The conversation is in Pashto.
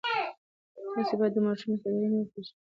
تاسې باید د ماشومانو استعدادونه وپېژنئ.